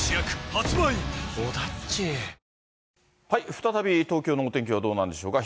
再び東京のお天気はどうなんでしょうか。